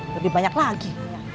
lebih banyak lagi